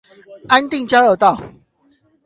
安定交流道